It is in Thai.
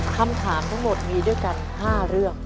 คำถามทั้งหมดมีด้วยกัน๕เรื่อง